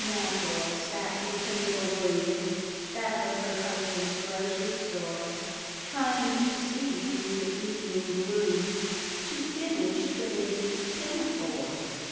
Mackerel sat in her little room, Back of her husband's grocery store, Trying to see through the evening gloom, To finish the baby's pinafore.